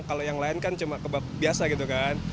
kalau yang lain kan cuma kebab biasa gitu kan